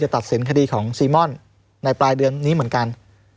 ตัดสินคดีของซีม่อนในปลายเดือนนี้เหมือนกัน